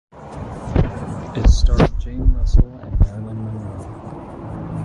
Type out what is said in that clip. It starred Jane Russell and Marilyn Monroe.